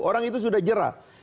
orang itu sudah jerah